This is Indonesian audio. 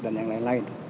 dan yang lain lain